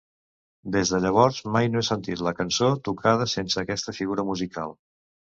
Des de llavors, mai no he sentit la cançó tocada sense aquesta figura musical.